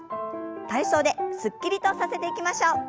体操ですっきりとさせていきましょう。